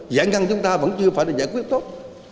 giãn ngăn chúng ta vẫn chưa phải là giải quyết tốt